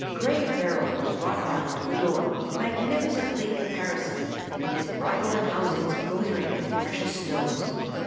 Gray Berold was brought round to the door, magnificently caparisoned, his bridle and housings glittering with precious stones.